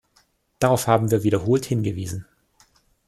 Darauf haben wir wiederholt hingewiesen.